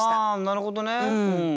なるほどね。